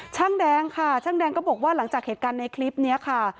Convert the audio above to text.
ช่างแดงค่ะช่างแดงก็บอกว่าหลังจากเหตุการณ์ในคลิปนี้ค่ะ